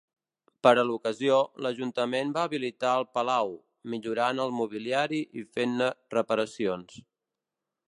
Per a l'ocasió, l'Ajuntament va habilitar el palau, millorant el mobiliari i fent-ne reparacions.